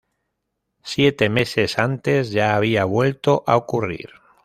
Siete meses antes ya había vuelto a ocurrir.